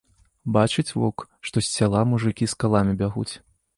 Бачыць воўк, што з сяла мужыкі з каламі бягуць.